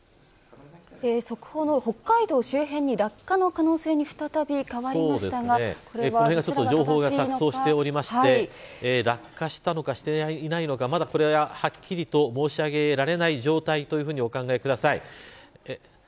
速報の、北海道周辺に落下の可能性に情報が錯綜しておりまして落下したのか、していないのかまだはっきりと申し上げられない状態とお考えください。